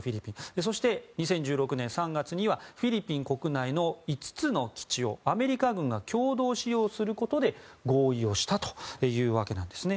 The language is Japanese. そして、２０１６年３月にはフィリピン国内の５つの基地をアメリカ軍が共同使用することで合意をしたというわけなんですね。